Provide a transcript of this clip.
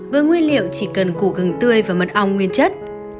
với nguyên liệu chỉ cần củ gừng tươi và mật ong nguyên chất